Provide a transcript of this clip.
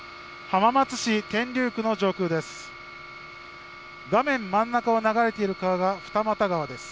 浜松市天竜区の上空です。